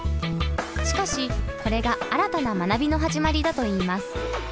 しかしこれが新たな学びの始まりだといいます。